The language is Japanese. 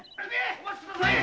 お待ちください。